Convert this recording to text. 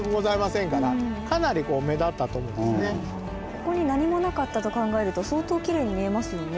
ここに何もなかったと考えると相当きれいに見えますよね。